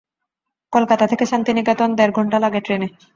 কলকাতা থেকে শান্তিনিকেতন দেড় ঘণ্টা লাগে ট্রেনে।